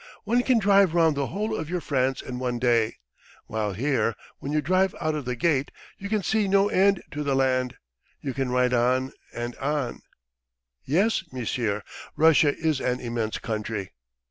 One can drive round the whole of your France in one day, while here when you drive out of the gate you can see no end to the land, you can ride on and on. .." "Yes, monsieur, Russia is an immense country."